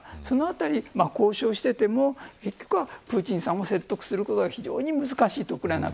そのあたり、交渉していても結局、プーチンさんを説得することが非常に難しい。